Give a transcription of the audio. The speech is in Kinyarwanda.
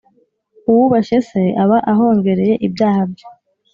Uwubashye se, aba ahongereye ibyaha bye,